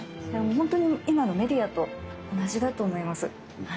ほんとに今のメディアと同じだと思います。